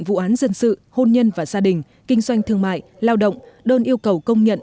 vụ án dân sự hôn nhân và gia đình kinh doanh thương mại lao động đơn yêu cầu công nhận